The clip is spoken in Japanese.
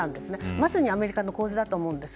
まさにアメリカの構図だと思うんです。